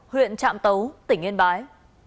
huyện trạm tấu tỉnh yên bái